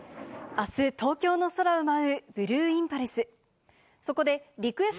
あす東京の空を舞うブルーインパルス。